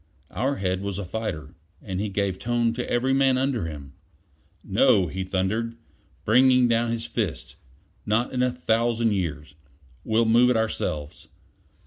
Our head was a fighter, and he gave tone to every man under him. "No," he thundered, bringing down his fist. "Not in a thousand years. We'll move it ourselves.